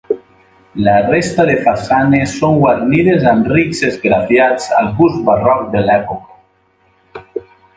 La resta de façanes són guarnides amb rics esgrafiats al gust barroc de l'època.